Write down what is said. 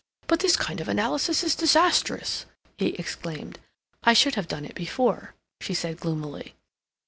"But this kind of analysis is disastrous!" he exclaimed. "I should have done it before," she said gloomily.